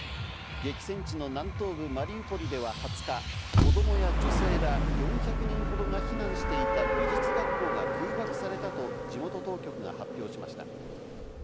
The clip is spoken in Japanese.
激戦地の南東部マリウポリでは２０日、子供や女性ら４００人ほどが避難していた美術学校が空爆されたと地元当局が発表しました。